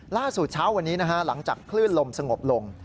ล่าสุดเช้าวันนี้หลังจากคลื่นลมสงบลง